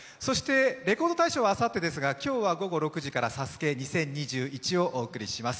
「レコード大賞」はあさってですが今日は午後６時から「ＳＡＳＵＫＥ２０２１」をお送りします。